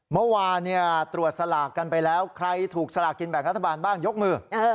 เมื่อวานตรวจสลากกันไปแล้วใครถูกสลากกินแบ่งรัฐบาลบ้างยกมือ